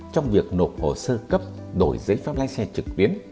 trong việc nộp hồ sơ cấp đổi giấy phép lái xe trực tuyến